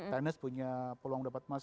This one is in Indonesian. tenis punya peluang dapat emas